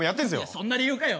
そんな理由かよ！